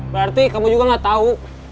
berarti kamu juga gak tau